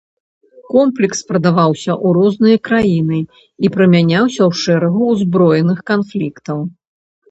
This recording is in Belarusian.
Комплекс прадаваўся у розныя краіны і прымяняўся ў шэрагу ўзброеных канфліктаў.